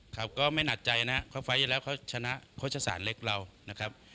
ครับก็ไม่หนักใจนะเพราะไฟล์ที่แล้วเขาชนะโฆษศาสตร์เล็กเรานะครับ